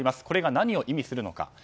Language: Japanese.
これが何を意味するのか。